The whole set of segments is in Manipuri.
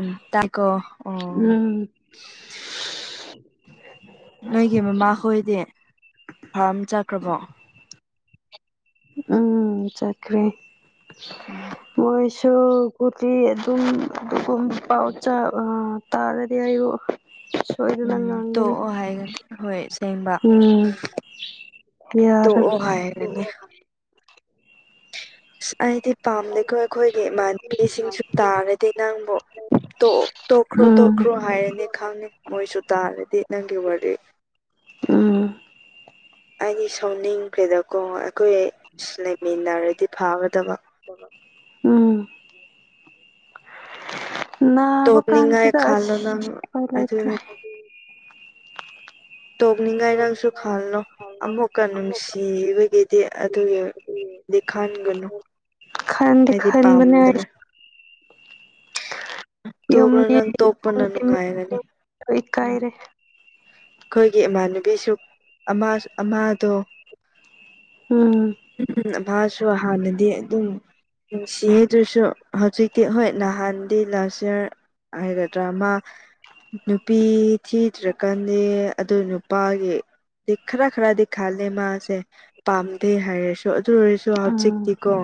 ꯎꯝ ꯇꯀꯣ ꯑꯣ ꯎꯝ ꯅꯣꯏꯒꯤ ꯃꯃꯥ ꯍꯣꯏꯗꯤ ꯐꯥꯔꯝ ꯆꯠꯈ꯭ꯔꯕꯣ ꯎꯝ ꯆꯀ꯭ꯔꯤꯣꯏ ꯎꯝ ꯁꯁꯨ ꯀꯨꯔꯇꯤ ꯑꯗꯨꯝ ꯑꯗꯨꯒ ꯄꯥꯎ ꯇꯥꯔꯗꯤ ꯑꯌꯨꯛ ꯁꯍꯤꯗ ꯎꯝ ꯂꯅꯥꯡꯗꯅꯤ ꯇꯣꯛꯑꯣ ꯍꯥꯏꯒꯅꯤ ꯍꯣꯏ ꯑꯁꯦꯡꯕ ꯎꯝ ꯌꯥꯌꯔ ꯇꯣꯛꯑꯣ ꯍꯥꯏꯔꯅꯤ ꯄꯥꯝꯂꯦꯀꯣ ꯑꯩꯈꯣꯏꯒꯤ ꯏꯃꯥꯟꯅꯄꯤꯁꯤꯡꯁꯨ ꯇꯥꯔꯗꯤ ꯅꯪꯕꯨ ꯇꯣꯛꯈ꯭ꯔꯣ ꯎꯝ ꯇꯣꯛꯈ꯭ꯔꯣ ꯍꯥꯏꯔꯅꯤ ꯈꯪꯅꯤ ꯃꯣꯏꯁꯨ ꯇꯥꯔꯗꯤ ꯅꯪꯒꯤ ꯋꯥꯔꯤ ꯑ ꯑꯩꯗꯤ ꯁꯥꯎꯅꯤꯡꯈ꯭ꯔꯦꯗꯀꯣ ꯑꯩꯈꯣꯏ ꯂꯩꯃꯤꯟꯅꯔꯗꯤ ꯐꯥꯔꯗꯕ ꯑꯝ ꯅꯕ ꯇꯣꯛꯅꯤꯡꯉꯥꯏ ꯈꯜꯂꯣ ꯅꯪ ꯀꯥꯟꯁꯤꯗꯁ ꯐꯂꯥꯏꯇ꯭ꯔꯦ ꯑꯗꯨꯅꯤ ꯇꯣꯛꯅꯤꯡꯉꯥꯏ ꯅꯪꯁꯨ ꯈꯜꯂꯣ ꯑꯃꯨꯛꯀ ꯅꯨꯡꯁꯤꯕꯒꯤꯗꯤ ꯑꯗꯨꯒꯤ ꯗꯤ ꯈꯟꯒꯅꯨ ꯈꯟꯗꯤ ꯑꯩꯗꯤ ꯈꯟꯕꯅꯦ ꯑꯩ ꯄꯥꯝꯗ꯭ꯔꯦ ꯇꯣꯛꯈ꯭ꯔꯣ ꯌꯨꯝꯒꯤ ꯅꯪ ꯇꯣꯛꯄꯅ ꯌꯨꯝꯒꯤ ꯃꯤ ꯅꯨꯡꯉꯥꯏꯒꯅꯤ ꯎꯝ ꯏꯀꯥꯏꯔꯦ ꯑꯩꯈꯣꯏꯒꯤ ꯏꯃꯥꯟꯅꯕꯤꯁꯨ ꯑꯃꯥꯗꯣ ꯎꯝ ꯎꯝꯝ ꯥꯁꯨ ꯍꯥꯟꯅꯗꯤ ꯑꯗꯨꯝ ꯟ ꯁꯤ ꯑꯦꯗꯨꯁꯨ ꯍꯧꯖꯤꯛꯇꯤ ꯍꯣꯏ ꯅꯍꯥꯟꯗꯤ ꯂꯥꯁ ꯏꯌꯥꯔ ꯍꯥꯏꯗ ꯗ꯭ꯔꯃ ꯅꯨꯄꯤ ꯊꯤꯗ꯭ꯔꯀꯥꯟꯗ ꯑꯗꯨ ꯅꯨꯄꯥꯒꯤ ꯈꯔ ꯈꯔꯗꯤ ꯈꯥꯦ ꯃꯥꯁꯦ ꯄꯥꯝꯗ ꯍꯥꯏꯔꯁꯨ ꯑꯗꯨ ꯑꯣꯏꯔꯁꯨ ꯎꯝ ꯍꯧꯖꯤꯛꯇꯤꯀꯣ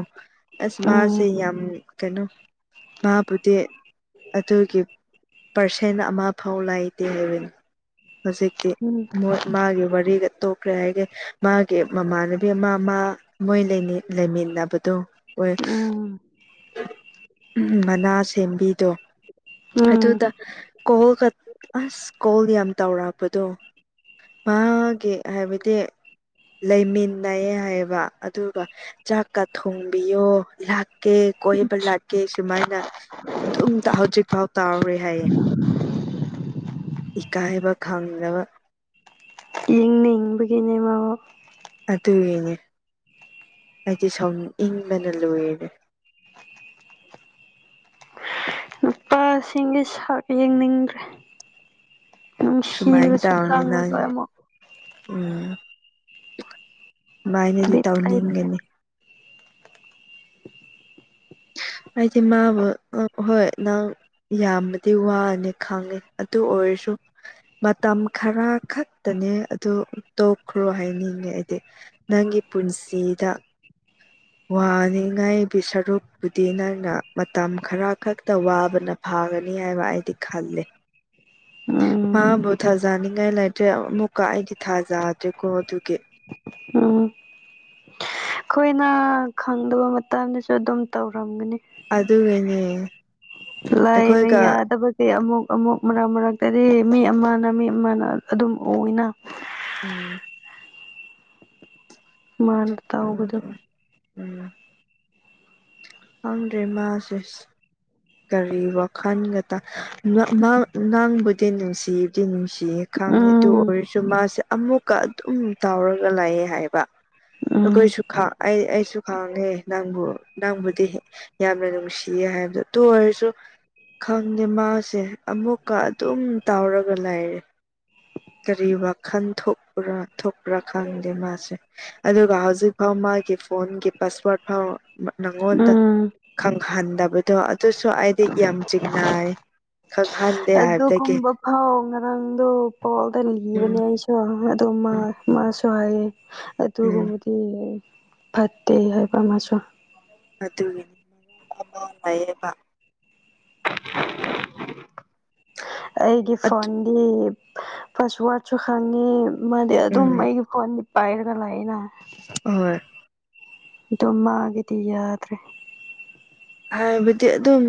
ꯑꯁ ꯎꯝ ꯃꯥꯁꯦ ꯌꯥꯝ ꯀꯩꯅꯣ ꯃꯍꯥꯛꯄꯇ ꯑꯆꯒꯤ ꯄꯥꯔꯁꯦꯟ ꯑꯃ ꯐꯥꯎ ꯂꯩꯥꯏꯇꯦ ꯍꯥꯏꯕꯅꯤ ꯍꯧꯖꯤꯛꯇꯤ ꯎꯝ ꯃꯣꯏ ꯃꯥꯒꯤ ꯋꯥꯔꯤꯒ ꯇꯣꯛꯈ꯭ꯔꯦ ꯍꯥꯏꯗꯤꯦ ꯃꯥꯒꯤ ꯃꯃꯥꯟꯅꯕꯤ ꯑꯃ ꯃꯣꯏ ꯂꯩꯃꯤꯟꯅꯕꯗꯨꯣ ꯑꯣꯏ ꯎꯝ ꯎꯝ ꯃꯂ ꯁꯦꯝꯕꯤꯗꯣ ꯎꯝ ꯑꯗꯨꯗ ꯀꯣꯍꯣꯜ ꯑꯁ ꯀꯣꯍꯣꯜ ꯌꯥꯝ ꯇꯧꯔꯛꯄꯗꯣ ꯃꯥꯒꯤ ꯍꯥꯏꯕꯗꯤ ꯂꯩꯃꯤꯟꯅꯩꯌꯦ ꯍꯥꯏꯌꯦꯕ ꯑꯗꯨꯒ ꯆꯥꯛꯀ ꯊꯣꯡꯕꯤꯌꯣ ꯂꯥꯛꯀꯦ ꯀꯣꯏꯕ ꯂꯥꯛꯀꯦ ꯁꯨꯃꯥꯏꯅ ꯑꯩꯅ ꯑꯗꯨꯝ ꯍꯧꯖꯤꯛ ꯐꯥꯎ ꯇꯥꯎꯔꯤꯦ ꯍꯥꯏꯌꯦ ꯏꯀꯥꯏꯕ ꯈꯪꯗꯕ ꯌꯦꯡꯅ ꯏꯕꯒꯤꯅꯦ ꯃ ꯑꯗꯨ ꯉꯦꯉꯦ ꯑꯩꯗꯤ ꯁꯥꯎꯅꯤꯡ ꯏꯪꯕꯅ ꯂꯣꯏꯔꯦ ꯄꯥꯁꯤꯡꯒꯤ ꯁꯛ ꯌꯦꯡꯅꯤꯡꯗ꯭ꯔꯦ ꯁꯨꯃꯥꯏꯅ ꯁꯤꯕꯁ ꯇꯧꯔꯅꯤ ꯀꯥꯡꯂ ꯅꯪ ꯄ ꯃ ꯥꯏꯅꯗꯤ ꯕꯤꯠ ꯂꯩꯇꯦ ꯇꯧꯅꯤꯡꯒꯅꯤ ꯍꯥꯏꯗꯤ ꯃꯥꯕꯨ ꯍꯣꯏ ꯅꯪ ꯌꯥꯝꯅꯗꯤ ꯋꯥꯅꯤ ꯈꯪꯉꯤ ꯑꯗꯨ ꯑꯣꯏꯔꯁꯨ ꯃꯇꯝ ꯈꯔ ꯈꯛꯇꯅꯤ ꯑꯦ ꯑꯗꯨ ꯇꯣꯛꯈ꯭ꯔꯣ ꯍꯥꯏꯅꯤꯡꯉꯦ ꯍꯥꯏꯗꯤ ꯅꯪꯒꯤ ꯄꯨꯟꯁꯤꯗ ꯋꯥꯅꯤꯡꯉꯥꯏꯒꯤ ꯁꯔꯨꯛꯄꯨꯗꯤ ꯅꯪꯅ ꯃꯇꯝ ꯈꯔ ꯈꯛꯇ ꯋꯥꯕꯅ ꯐꯥꯒꯅꯤ ꯍꯥꯏꯕ ꯑꯩꯗꯤ ꯈꯜꯂꯤ ꯎꯝ ꯍꯥ ꯊ ꯍꯖꯥꯅꯤꯡ ꯂꯥꯏ ꯑꯃꯨꯛꯀ ꯑꯩꯗꯤ ꯊꯥꯖꯗ꯭ꯔꯦꯀꯣ ꯑꯗꯨꯒꯤ ꯑ ꯑꯩꯈꯣꯏꯅ ꯈꯪꯗꯕ ꯃꯇꯝꯗꯁꯨ ꯑꯗꯨꯝ ꯇꯧꯔꯝꯒꯅꯤ ꯑꯗꯨꯒꯤꯅꯦ ꯂꯥꯏꯅ ꯑꯩꯈꯣꯏꯒ ꯌꯥꯗꯕ ꯀꯩ ꯑꯃꯨꯛ ꯑꯃꯨꯛ ꯃꯔꯛ ꯃꯔꯛꯇꯗꯤ ꯃꯤ ꯑꯃꯅ ꯃꯤ ꯑꯃꯅ ꯑꯗꯨꯝ ꯎꯏꯅ ꯎꯝ ꯃꯥꯅ ꯇ ꯎꯕꯗꯣ ꯎꯝ ꯈꯪꯗ꯭ꯔꯦ ꯃꯥꯁꯦ ꯀꯔꯤ ꯋꯥꯈꯟꯒꯗ ꯅꯕꯨꯗꯤ ꯅꯨꯡꯁꯤꯗꯤꯅꯨꯡꯁꯤ ꯁꯤ ꯈꯪꯉꯦ ꯑꯗꯨ ꯎꯝ ꯑꯣꯏꯔꯁꯨ ꯃꯥꯁꯦ ꯑꯃꯨꯛꯀ ꯑꯗꯨꯝ ꯇꯥꯎꯔꯒ ꯂꯥꯛꯑꯦ ꯍꯥꯏꯕ ꯎꯝ ꯀꯣꯏꯁꯨꯨꯈꯥ ꯁꯨ ꯈꯥꯡꯉꯦ ꯅꯪꯕꯨ ꯅꯪꯕꯨꯗꯤ ꯌꯥꯝꯅ ꯅꯨꯡꯁꯤꯌꯦ ꯍꯥꯏꯕꯗꯣ ꯑꯗꯨꯣ ꯑꯣꯏꯔꯁꯨ ꯈꯪꯗꯦ ꯃꯥꯁꯦ ꯑꯃꯨꯛꯀ ꯑꯗꯨꯝ ꯇꯥꯎꯔꯒ ꯂꯩꯔꯦ ꯀꯔꯤ ꯋꯥꯈꯜ ꯊꯣꯛꯄ꯭ꯔꯥ ꯊꯣꯛꯄ꯭ꯔꯥ ꯈꯪꯗꯦ ꯃꯥꯁꯦ ꯑꯗꯨꯒ ꯍꯧꯖꯤꯛ ꯐꯥꯎ ꯃꯥꯒꯤ ꯐꯣꯟꯒꯤ ꯄꯥꯁꯋꯥꯔꯗ ꯐꯥꯎ ꯅꯪꯉꯣꯟꯗ ꯎꯝ ꯈꯪꯍꯟꯗꯕꯗꯣ ꯑꯗꯨꯁꯨ ꯑꯩꯗꯤ ꯌꯥꯝ ꯆꯤꯡꯅꯥ ꯑꯗꯨꯒꯨꯝꯕ ꯐꯥꯎ ꯉꯔꯥꯡꯗꯣ ꯄꯣꯜꯗ ꯎꯝ ꯂꯤꯕꯅꯦ ꯑꯩꯁꯨ ꯇꯣ ꯃꯥ ꯃꯥꯥ ꯆꯍꯥꯏ ꯇ ꯎꯝ ꯀꯃꯗꯤ ꯐꯠꯇꯦ ꯍꯥꯏꯕ ꯃꯥꯁꯨ ꯑꯗꯨꯒꯤꯅꯤ ꯃꯔꯥ ꯑ ꯂꯥꯏꯌꯦꯕ [unintelligible] ꯑꯩꯒꯤ ꯐꯣꯟꯗꯤ ꯄꯥꯁꯋꯥꯔꯗꯁꯨ ꯈꯪꯉꯤ ꯃꯥꯗꯤ ꯑꯗꯨꯝ ꯎꯝ ꯑꯩꯒꯤ ꯐꯣꯟꯗꯤ ꯄꯥꯏꯔꯒ ꯂꯥꯏꯅ ꯑ ꯑꯗꯨꯃꯒꯤꯗꯤ ꯌꯥꯗ꯭ꯔꯦ ꯍꯥꯏꯕꯗꯤ ꯑꯗꯨꯝ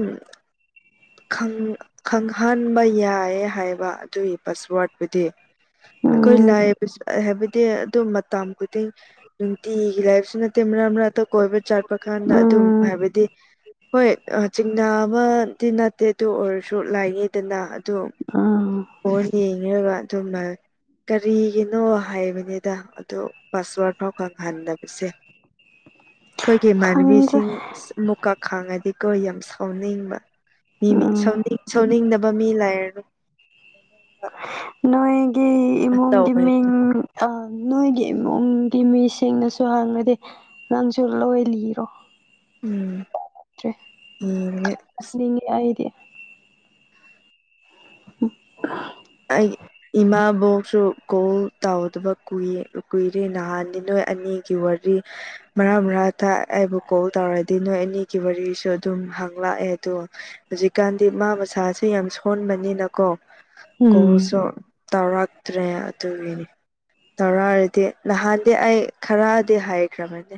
ꯈꯪꯍꯟꯕ ꯌꯥꯏ ꯍꯥꯏꯕ ꯑꯗꯨꯒꯤ ꯄꯥꯁꯋꯥꯔꯠꯄꯨꯗꯤ ꯑꯩꯈꯣꯏ ꯎꯝ ꯂꯥꯏꯕ ꯍꯥꯏꯕꯗꯤ ꯑꯗꯨ ꯇꯥꯝ ꯈꯨꯗꯤꯡ ꯅꯨꯡꯇꯤꯒꯤ ꯂꯥꯏꯐꯁꯨ ꯅꯠꯇꯦ ꯃꯔꯥ ꯃꯔꯥꯛ ꯀꯣꯏꯕ ꯆꯠꯄ ꯀꯥꯟꯗ ꯑꯗꯨꯝ ꯎꯝ ꯍꯥꯏꯕꯗꯤ ꯍꯣꯏ ꯆꯤꯡꯅꯥ ꯑꯃꯗꯤ ꯑꯗꯨ ꯑꯣꯏꯔꯁꯨ ꯂꯥꯏꯉꯦꯗꯅ ꯑꯗꯨ ꯎꯝ ꯐꯟ ꯌꯦꯡꯉꯔꯒ ꯑꯗꯨꯝ ꯀꯔꯤꯒꯤꯅꯣ ꯍꯥꯏꯕꯅꯤꯗ ꯑꯗꯨ ꯄꯥꯁꯋꯥꯔꯗ ꯐꯥꯎ ꯈꯪꯍꯟꯗꯕꯁꯦ [inaudible] ꯑꯩꯈꯣꯏꯒꯤ ꯈꯪꯗ꯭ꯔꯦ ꯏꯃꯥꯟꯅꯕꯤꯁꯤꯡ ꯃꯨꯀꯥ ꯈꯥꯡꯉꯗꯤꯀꯣ ꯌꯥꯝ ꯁꯥꯎꯅꯤꯡꯕ ꯃꯤ ꯃꯤ ꯎꯝ ꯁꯅꯤꯡ ꯁꯧꯅꯤꯡꯗꯕ ꯃꯤ ꯂꯩꯥꯏꯔꯅꯨꯅꯤꯡꯕ ꯅꯣꯏꯒꯤ ꯏꯃꯨꯡꯒꯤ ꯃꯤꯡ ꯅꯣꯏꯒꯤ ꯏꯃꯨꯡꯒꯤ ꯃꯤꯁꯤꯡꯅꯁꯨ ꯍꯪꯉꯗꯤ ꯅꯪꯁꯨ ꯂꯣꯏ ꯂꯤꯔꯣ ꯎꯝ ꯌꯦꯡꯉꯦ ꯑꯁ ꯉ ꯌꯥꯗ [inaudible] ꯑꯩ ꯏꯃꯥꯕꯣꯛꯁꯨ ꯀꯣꯜ ꯇꯥꯎꯗꯕ ꯀꯏ ꯀꯨꯏꯔ ꯅꯍꯥꯟꯅꯤ ꯅꯣꯏ ꯑꯅꯤꯒꯤ ꯋꯥꯔꯤ ꯃꯔꯥꯡ ꯃꯔꯥꯡ ꯑꯩꯕꯨ ꯀꯣꯜ ꯇꯧꯔꯗꯤ ꯅꯣꯏ ꯑꯅꯤꯒꯤ ꯋꯥꯔꯤꯁꯨ ꯑꯗꯨꯝ ꯍꯪꯂꯛꯑꯦ ꯑꯗꯣ ꯍꯧꯖꯤꯛꯀꯥꯟꯗꯤ ꯃꯥꯃꯥ ꯃꯁꯥꯁꯦ ꯌꯥꯝ ꯁꯣꯟꯕꯅꯤꯅꯀꯣ ꯎꯝ ꯀꯣꯁꯨ ꯇꯧꯔꯛꯇ꯭ꯔꯦ ꯑꯗꯨꯒꯤꯅꯤ ꯇꯧꯔꯛꯔꯗꯤ ꯅꯍꯥꯟꯗꯤ ꯑꯩ ꯈꯔꯗꯤ ꯍꯥꯏꯈ꯭ꯔꯕꯅꯤ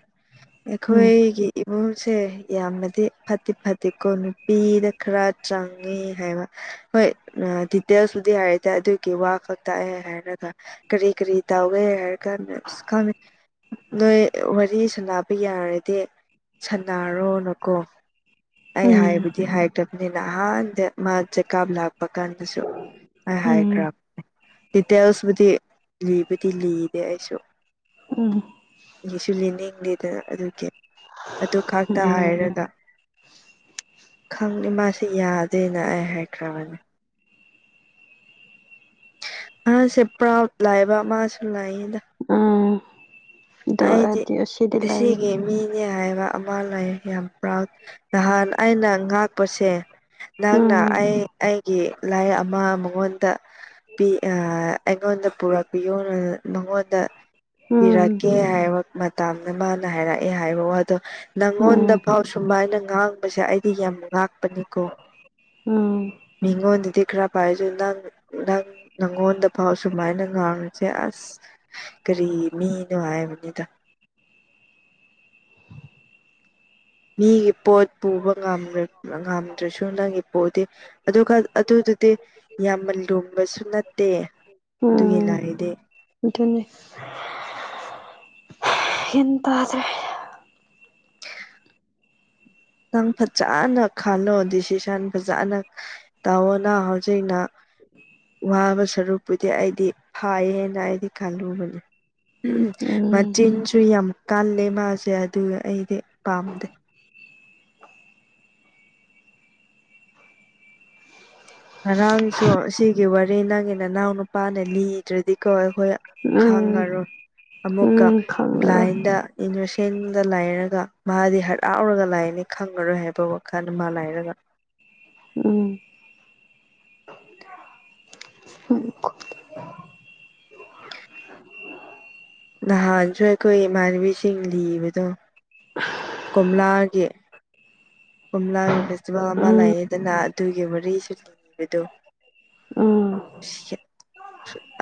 ꯎꯝ ꯑꯩꯈꯣꯏꯒꯤ ꯏꯃꯨꯡ ꯁꯦ ꯌꯥꯝꯃꯗꯤ ꯐꯠꯇꯦ ꯐꯠꯇꯦꯀꯣ ꯅꯨꯄꯤꯗ ꯈꯔ ꯆꯪꯉꯦ ꯍꯥꯏꯕ ꯍꯣꯏ ꯑꯗꯨꯇ ꯍꯥꯏꯔꯗꯤ ꯑꯗꯨꯒꯤ ꯋꯥ ꯈꯛꯛꯇꯥꯛꯑꯦ ꯍꯥꯏꯔꯒ ꯀꯔꯤ ꯀꯔꯤ ꯇꯧꯒꯦ ꯍꯥꯏꯔꯒ ꯑ ꯈꯪꯉ ꯅꯣꯏ ꯋꯥꯔꯤ ꯁꯥꯟꯅꯕ ꯌꯥꯔꯗꯤ ꯁꯥꯟꯅꯔꯣꯅꯀꯣ ꯑꯩ ꯎꯝ ꯍꯥꯏꯕꯗꯤ ꯍꯥꯏꯈ꯭ꯔꯕꯅꯤꯅ ꯅꯍꯥꯟꯗ ꯃꯥ ꯆꯦꯀꯥꯞ ꯂꯥꯛꯄ ꯀꯥꯟꯗꯁꯨ ꯑꯩ ꯎꯝ ꯍꯥꯏꯈ꯭ꯔꯅꯦ ꯗꯤꯇꯦꯜꯁꯕꯨꯨꯗꯤ ꯂꯤꯕꯨꯗꯤ ꯂꯤꯗꯦ ꯑꯩꯁꯨ ꯑꯣ ꯑꯩꯁꯨ ꯂꯤꯅꯤꯡꯗꯦꯗꯅ ꯑꯗꯨꯒꯤ ꯑꯗꯨ ꯈꯥꯛꯛꯇ ꯎꯝ ꯍꯥꯏꯔꯒ ꯈꯪꯅꯤ ꯃꯥꯁꯤ ꯌꯥꯗꯦꯅ ꯑꯩ ꯍꯥꯏꯈ꯭ꯔꯕꯅꯤ ꯑꯍꯁꯦ ꯄ꯭ꯔꯥꯎ ꯂꯥꯏꯕ ꯃꯥꯁꯨ ꯂꯥꯏꯌꯦ ꯑꯥ ꯑꯩꯗꯤ ꯁꯤꯒꯤꯦ ꯃꯤꯅꯦ ꯍꯥꯏ ꯑꯃ ꯂꯩ ꯌꯥꯝ ꯄ꯭ꯔꯥꯎ ꯅꯍꯥꯟ ꯑꯩꯅ ꯉꯥꯛꯄꯁꯦ ꯅꯪꯅ ꯎꯝ ꯑꯩ ꯑꯩꯒꯤ ꯂꯥꯏꯛ ꯑꯃ ꯃꯉꯣꯟꯗ ꯑꯩꯉꯣꯟꯗ ꯄꯨꯔꯛꯄ ꯌꯣꯅ ꯃꯉꯣꯟꯗ ꯎꯝ ꯄꯤꯔ ꯍꯥꯏꯕ ꯃꯇꯗ ꯃꯥꯅ ꯍꯥꯏꯔꯛꯑꯦ ꯍꯥꯏꯕ ꯋꯥꯗꯣ ꯎꯝ ꯅꯪꯉꯣꯟꯗ ꯐꯥꯎ ꯁꯨꯃꯥꯏꯅ ꯉꯥꯡ ꯁꯦ ꯑꯩꯗꯤ ꯌꯥꯝ ꯉꯥꯛꯄꯅꯤꯀꯣ ꯎꯝ ꯃꯤꯉꯣꯟꯗꯗꯤ ꯈꯔ ꯄꯥꯏꯔꯤꯁꯨ ꯅꯪ ꯅꯪ ꯅꯪꯉꯣꯟꯗ ꯄꯥꯎ ꯁꯨꯃꯥꯏꯅ ꯉꯥꯡꯔꯨꯁꯦ ꯑꯁ ꯀꯔꯤ ꯃꯤꯅꯅꯨꯡꯉꯌꯦꯕꯅꯤꯗ ꯃꯤ ꯄꯣꯠ ꯄꯨꯕ ꯉ ꯉꯝꯗ꯭ꯔꯁꯨ ꯅꯪꯒꯤ ꯄꯣꯗꯤ ꯑꯗꯨ ꯑꯗꯨꯗꯨꯗꯤ ꯌꯥꯝꯅ ꯂꯨꯕꯁꯨ ꯅꯠꯇꯦ ꯑꯗꯨꯒꯤ ꯂꯥꯏꯔꯤꯗꯤ ꯎꯝꯇꯅꯤ ꯍ ꯇꯗ꯭ꯔꯦ ꯁꯪ ꯐ ꯆꯅ ꯈꯥꯂꯣ ꯗꯤꯁꯤ ꯁꯥꯟ ꯐꯖꯅ ꯇꯑꯣꯅ ꯍꯧꯖꯤꯛꯅ ꯋꯥꯕ ꯁꯔꯨꯛ ꯑꯩꯗꯤ ꯐꯥꯏꯌꯦꯅ ꯑꯩꯗꯤ ꯈꯜꯂꯨꯕꯅꯤ ꯎꯝ ꯎꯝ ꯃꯆꯤꯟꯁꯨ ꯌꯥꯝ ꯀꯜꯂꯦ ꯃꯥꯁꯦ ꯑꯗꯨꯒ ꯑꯩꯗꯤ ꯄꯥꯝꯗꯦ [inaudible] ꯉꯔꯥꯡꯁꯨ ꯁꯤꯒꯤ ꯋꯥꯔꯤ ꯅꯪꯒꯤ ꯅꯅꯥꯎ ꯅꯨꯄꯥꯅ ꯂꯤꯗ꯭ꯔꯗꯤꯀꯣ ꯑꯩꯈꯣꯏ ꯎꯝ ꯈꯪꯉꯔꯣꯏ ꯑꯃꯨꯛꯀ ꯎꯝ ꯈꯪꯂꯔꯣꯏ ꯕ꯭ꯂꯥꯏꯟꯗ ꯊꯦꯟꯗ ꯂꯥꯏꯔꯒ ꯃꯥꯗꯤ ꯍꯔꯥꯎꯔꯒ ꯂꯥꯏꯅꯤ ꯈꯪꯉꯔꯣꯏ ꯍꯥꯏꯕ ꯋꯥꯈꯜꯗ ꯃꯥ ꯂꯥꯏꯔꯒ [inaudible] ꯎꯝ ꯎꯝ [inaudible] ꯅꯍꯥꯟꯁꯨ ꯑꯩꯈꯣꯏ ꯏꯃꯥꯟꯅꯕꯤꯁꯤꯡ ꯂꯤꯕꯗꯣ ꯀꯣꯝꯂꯥꯒꯤ ꯀꯣꯝꯂꯥꯒꯤ ꯐꯦꯁꯇꯤꯚꯦꯜ ꯑꯃ ꯎꯝ ꯂꯩꯌꯦꯗꯅ ꯑꯗꯨꯒꯤ ꯃꯔꯤꯁꯨ ꯂꯩꯕꯗꯣ ꯑꯥ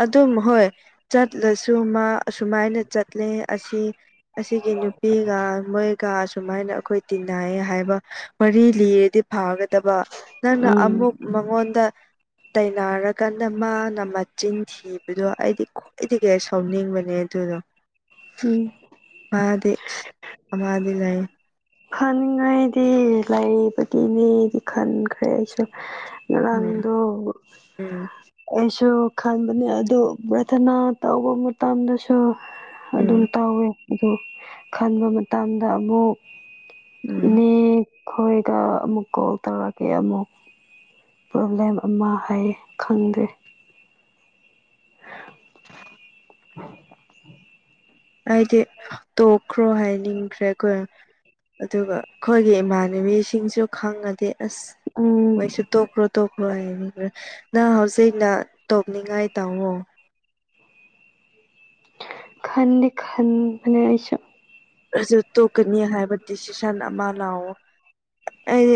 ꯑꯗꯨꯝ ꯍꯣꯏ ꯆꯠꯂꯁꯨ ꯃꯥ ꯑꯁꯨꯃꯥꯏꯅ ꯆꯠꯂꯦ ꯑꯁꯤ ꯑꯁꯤꯒꯤ ꯅꯨꯄꯤꯒ ꯃꯣꯏꯒ ꯑꯁꯨꯃꯥꯏꯅ ꯑꯩꯈꯣꯏ ꯇꯤꯟ ꯅꯥꯏꯌꯦ ꯍꯥꯏꯕ ꯃꯔꯤ ꯂꯤꯔꯗꯤ ꯐꯒꯗꯕ ꯅꯪꯅ ꯎꯝ ꯑꯃꯨꯛ ꯃꯉꯣꯟꯗ ꯇꯅꯔꯀꯥꯟꯗ ꯃꯥꯅ ꯃꯆꯤꯟ ꯊꯤꯕꯗꯣ ꯑꯩꯗꯤ ꯈ꯭ꯋꯥꯏꯗꯒꯤ ꯁꯥꯎꯅꯤꯡꯕꯅꯦ ꯑꯗꯨ ꯁꯤꯗ ꯎꯝ ꯑꯗꯤ ꯑꯃꯗꯤ ꯂꯩꯥꯏ ꯈꯟꯅꯤꯡꯉꯥꯏꯗꯤ ꯂꯩꯔꯤꯕꯥꯏꯒꯤꯅꯦꯗꯤ ꯈꯟꯈ꯭ꯔꯦ ꯑꯩꯁꯨ ꯎꯝ ꯅꯗꯨ ꯎꯝ ꯁꯨ ꯈꯟꯕꯅꯦ ꯑꯗꯨ ꯄ꯭ꯔꯔꯊꯅꯥ ꯇꯧꯕ ꯃꯇꯝꯗꯁꯨ ꯎꯝ ꯑꯗꯨꯝ ꯇꯧꯋꯦ ꯑꯗꯨ ꯈꯟꯕ ꯃꯇꯝꯗ ꯑꯃꯨꯛ ꯎꯝ ꯏꯅꯦ ꯈꯣꯏꯒ ꯑꯃꯨꯛ ꯀꯣꯜ ꯇꯧꯔꯛꯀꯦ ꯑꯃꯨꯛ ꯄ꯭ꯔꯣꯕ꯭ꯂꯦꯝ ꯑꯃ ꯍꯥꯏ ꯈꯪꯗꯦ [inaudible] ꯍꯥꯏꯥꯏꯗꯤ ꯇꯣꯛꯈ꯭ꯔꯣ ꯍꯥꯏꯅꯤꯡꯈ꯭ꯔꯦ ꯑꯩꯈꯣꯏ ꯑꯗꯨꯒ ꯑꯩꯈꯣꯏꯒꯤ ꯏꯃꯥꯟꯅꯕꯤꯁꯤꯡꯁꯨ ꯈꯪꯉꯗꯤ ꯑꯁ ꯎꯝ ꯋꯥꯣꯏꯁꯨ ꯇꯣꯛꯈ꯭ꯔꯣ ꯇꯣꯛꯈ꯭ꯔꯣ ꯍꯥꯏꯅꯤ ꯈ ꯅꯪ ꯍꯧꯖꯤꯛꯅ ꯇꯣꯞꯅꯤꯡꯉꯥꯏ ꯇꯥꯉꯣ ꯈꯟꯗ ꯈꯟꯅꯁ ꯑꯗꯨ ꯇꯣꯛꯀꯅꯤ ꯍꯥꯏꯕ ꯗꯤꯁꯤꯖꯟ ꯑꯃ ꯂꯥꯛꯑꯣ ꯑꯩ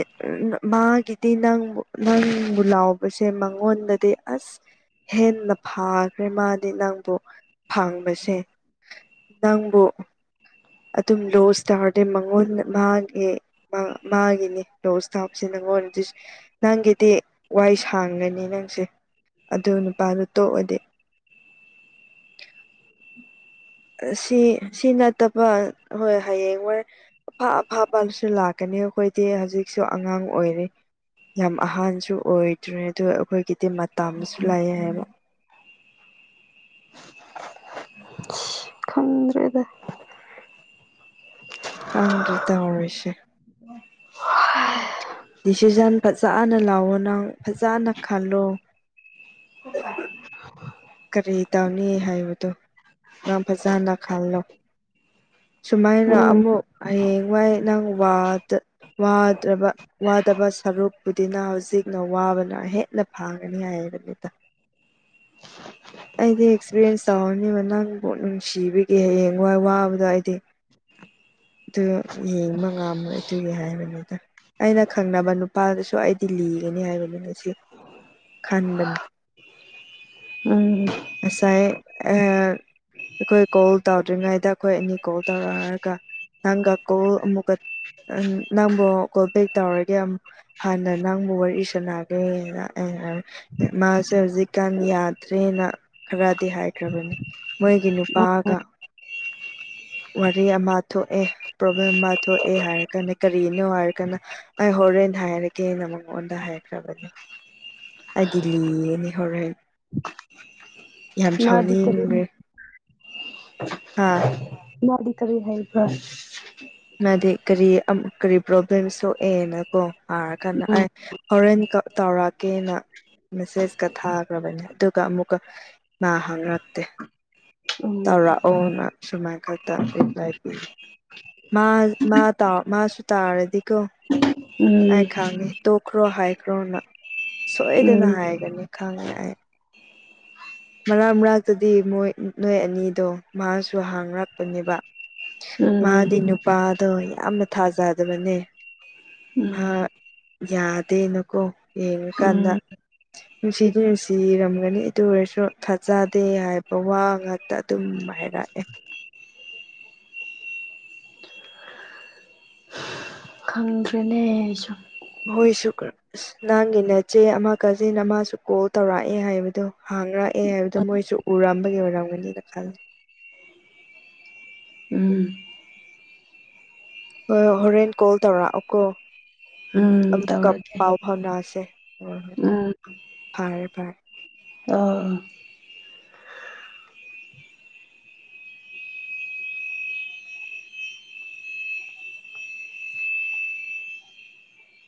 ꯃꯥꯒꯤ ꯅꯪ ꯅꯪꯕꯨ ꯂꯥꯎꯕꯁꯦ ꯃꯉꯣꯟꯗꯗꯤ ꯑꯁ ꯍꯦꯟꯅ ꯐꯈ꯭ꯔꯦ ꯃꯥꯗꯤ ꯅꯪꯕꯨ ꯐꯪꯕꯁꯦ ꯅꯪꯕꯨ ꯑꯗꯨꯝ ꯂꯣ ꯏꯁꯇꯥꯔꯗꯤ ꯃꯉꯣꯟꯗ ꯃꯥꯒꯤ ꯃꯥꯒꯤꯅꯤ ꯂꯣ ꯏꯁꯇꯥꯞꯁꯦ ꯅꯪꯉꯣꯟ ꯅꯪꯒꯤꯗꯤ ꯋꯥꯏ ꯁꯥꯡꯒꯅꯤꯅ ꯑꯗꯨ ꯅꯨꯄꯥꯗꯨ ꯇꯣꯛꯑꯗꯤ ꯎ ꯁꯤ ꯁꯤ ꯅꯠꯇꯕ ꯍꯣꯏ ꯍꯌꯦꯡ ꯍꯣꯏ ꯑꯐꯥ ꯑꯐꯥꯕꯁꯨ ꯂꯥꯛꯀꯅꯤ ꯑꯩꯈꯣꯏꯗꯤ ꯍꯧꯖꯤꯛꯁꯨ ꯑꯉꯥꯡ ꯑꯣꯏꯔꯤꯦ ꯌꯥꯝ ꯑꯍꯥꯟꯕꯁꯨ ꯑꯣꯏꯗ꯭ꯔꯦ ꯑ ꯑꯩꯈꯣꯏ ꯀꯇ ꯃꯇꯥ ꯑꯃꯁꯨ ꯂꯥꯛꯑꯦ ꯍꯥꯏꯕ ꯈꯟꯗ꯭ꯔꯗ ꯀꯪꯗꯔꯤꯗ ꯑꯃꯔꯃꯤꯁꯦ ꯎ ꯐꯖꯅ ꯂꯥꯛꯑꯣ ꯅꯪ ꯐꯖꯅ ꯈꯜꯂꯣ ꯎꯄ ꯀꯔꯤ ꯇꯧꯅꯤ ꯍꯥꯏꯕꯗꯣ ꯅꯪ ꯐꯖꯅ ꯈꯜꯂꯣ ꯁꯨꯃꯥꯏꯅ ꯎꯝ ꯑꯃꯨꯛ ꯍꯌꯦꯡꯋꯥꯏ ꯅꯪ ꯋꯥꯗ ꯋꯥꯗ꯭ꯔꯕ ꯋꯥꯗꯕ ꯁꯔꯨꯛꯄꯨꯗꯤꯅ ꯍꯧꯖꯤꯛꯅ ꯋꯥꯕꯅ ꯍꯦꯟꯅ ꯐꯥꯡꯒꯅꯤ ꯍꯥꯏ [inaudible] ꯑꯩꯗꯤ ꯑꯦꯛꯁꯄꯤꯔꯤꯌꯦꯟꯁ ꯇꯧꯔꯅꯦꯕ ꯅꯪꯕꯨꯛ ꯅꯨꯡꯁꯤꯕꯤꯒꯤꯦ ꯍꯌꯦꯡ ꯋꯥꯏ ꯋꯥꯕꯗꯣ ꯑꯩꯗꯤ ꯑꯗꯨ ꯌꯦꯡꯕ ꯉꯥꯝꯃꯣꯏ ꯑꯗꯨꯒꯤ ꯍꯥꯏꯕꯅꯤꯗ ꯑꯩꯅ ꯈꯪꯅꯕ ꯅꯨꯄꯥꯗꯨꯁꯨ ꯑꯩꯗꯤ ꯂꯤꯒꯅꯤ ꯍꯥꯏꯕꯅꯤ ꯉꯁꯤ ꯈꯥꯟꯕꯅꯤ ꯑ ꯉꯁꯥꯏ ꯑꯩꯈꯣꯏ ꯀꯣꯜ ꯇꯧꯗ꯭ꯔꯤꯉꯩꯗ ꯑꯩꯈꯣꯏ ꯑꯅꯤ ꯀꯣꯜ ꯇꯧꯔ ꯍꯥꯏꯔꯒ ꯍꯪ ꯑꯀꯣ ꯃꯨꯒ ꯎ ꯅꯪꯕꯨ ꯀꯣꯜ ꯕꯦꯛ ꯇꯧꯔꯒꯦ ꯑꯃꯛ ꯍꯥꯟꯅ ꯅꯪꯕꯨ ꯋꯥꯔꯤ ꯁꯥꯟꯅꯒꯦꯅ ꯃꯥ ꯁꯦꯔꯖꯤ ꯀꯥꯟ ꯏꯠ ꯊ꯭ꯔꯦꯅ ꯈꯔꯗꯤ ꯍꯥꯏꯈ꯭ꯔꯕꯅꯤ ꯃꯣꯏꯒꯤ ꯎꯝ ꯅꯨꯄꯥꯒ ꯋꯥꯔꯤ ꯑꯃ ꯊꯣꯛꯑꯦ ꯄ꯭ꯔꯣꯕ꯭ꯂꯦꯝ ꯑꯃ ꯊꯣꯛꯑꯦ ꯍꯥꯏꯔꯒꯅ ꯀꯔꯤꯅꯣ ꯍꯥꯏꯔꯒꯅ ꯑꯩ ꯍꯣꯔꯦꯟ ꯍꯩꯅ ꯍꯥꯏꯔꯒꯦ ꯑꯩꯅ ꯃꯉꯣꯟꯗ ꯍꯥꯏꯈ꯭ꯔꯕꯅꯦ ꯑꯩꯗꯤ ꯂꯤꯅꯤ ꯍꯣꯔꯦꯟ ꯌꯥꯝ ꯃꯥꯗꯤ ꯀꯔꯤ ꯁꯥꯎꯅꯤꯡꯈꯦ ꯍꯥꯥ ꯗꯤ ꯀꯔꯤ ꯍꯥꯏꯦꯜ ꯐ ꯃꯥꯗꯤ ꯀꯔꯤ ꯀꯔꯤ ꯄ꯭ꯔꯣꯕ꯭ꯂꯦꯝ ꯊꯣꯛꯑꯦꯅ ꯀꯣ ꯍꯥꯏꯔ ꯀꯗ ꯑꯦ ꯎꯝ ꯍꯣꯔꯦꯟ ꯀ ꯇꯧꯔꯛꯀꯦꯅ ꯃꯦꯁꯦꯁꯀ ꯊꯥꯈ꯭ꯔꯕꯅꯦ ꯑꯗꯨꯒ ꯑꯃꯨꯛꯀ ꯏꯃ ꯍꯥꯡꯔꯛꯇꯦ ꯎꯝ ꯇꯧꯔꯛꯑꯣꯅ ꯁꯨꯃꯥꯏꯅ ꯈꯛꯇ ꯔꯤꯄ꯭ꯂꯥꯏ ꯄꯤ ꯃꯥꯁꯨ ꯇꯥꯔꯗꯤꯀꯣ ꯎꯝ ꯑ ꯈꯥꯉꯦ ꯇꯣ ꯀ꯭ꯔꯣ ꯍꯥꯏꯥꯏ ꯀ꯭ꯔꯣꯅ ꯁꯣꯏꯗꯅ ꯎꯝ ꯍꯥꯏꯒꯅꯤ ꯈꯪꯉꯦ ꯑꯩ ꯃꯔꯛ ꯃꯔꯛꯇꯗꯤꯣꯏ ꯅꯣꯏ ꯑꯅꯤꯗꯣ ꯃꯍꯥꯛꯁꯨ ꯍꯥꯡꯔꯛꯄꯅꯦꯕ ꯎꯝ ꯃꯥꯗꯤ ꯅꯨꯄꯥꯗꯣ ꯌꯥꯝꯅ ꯊꯥꯖꯗꯕꯅꯦ ꯃꯥ ꯎꯝ ꯌꯥꯗꯦꯅꯀꯣ ꯌꯦꯉ ꯎꯝ ꯀꯥꯟꯗ ꯅꯨꯡꯁꯤꯗꯤ ꯅꯨꯡꯁꯤꯔꯝꯒꯅꯤ ꯑꯗꯨ ꯑꯣꯏꯔꯁꯨ ꯊꯥꯖꯗꯦ ꯍꯥꯏꯕ ꯋꯥ ꯉꯥꯛꯇ ꯑꯗꯨꯝ ꯍꯥꯏꯔꯛꯑꯦ ꯌꯥꯁꯨ ꯍꯣꯏ ꯁꯨ ꯑꯁ ꯅꯪꯒꯤ ꯅꯠꯆꯦ ꯑꯃ ꯀꯥꯖꯤꯟ ꯑꯃꯁꯨ ꯀꯣꯜ ꯇꯧꯔꯛꯑꯦ ꯍꯥꯏꯕꯗꯨꯣ ꯍꯥꯡ ꯂꯥꯛꯑꯦ ꯍꯥꯏꯕꯗꯣ ꯃꯣꯏꯁꯨ ꯎꯔꯝꯕꯒꯤ ꯑꯣꯏꯔꯝꯒꯅꯤꯅ ꯈꯂꯦ ꯎꯝ ꯍꯣꯏ ꯍꯣꯔꯦꯟ ꯀꯣꯜ ꯇꯧꯔꯛꯑꯣꯀꯣ ꯎꯝ ꯇꯧꯔꯒꯦ ꯄꯥꯎ ꯐꯥꯎꯗꯥ ꯑꯁ ꯍ ꯍ ꯐꯥꯏ ꯐꯥꯏ ꯑꯥ